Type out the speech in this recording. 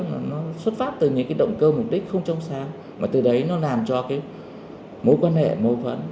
nó xuất phát từ những cái động cơ mục đích không trong sáng mà từ đấy nó làm cho cái mối quan hệ mâu thuẫn